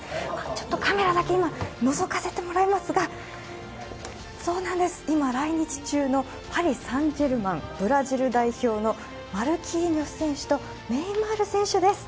ちょっとカメラだけ今、のぞかせてもらいますが今、来日中のパリ・サン＝ジェルマンブラジル代表のマルキーニョス選手とネイマール選手です。